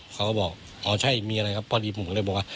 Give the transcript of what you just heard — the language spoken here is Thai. เขาก็บอกอ๋อใช่มีอะไรครับพอดีผมก็เลยบอกว่า